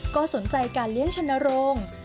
ก็สนใจการเลี้ยงชนโรง